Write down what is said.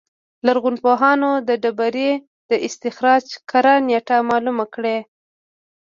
لرغونپوهان د ډبرې د استخراج کره نېټه معلومه کړي.